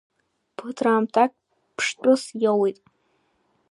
Ԥыҭраамҭак ԥштәыс иоуит.